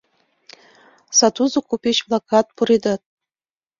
Сатузо купеч-влакат пуредат?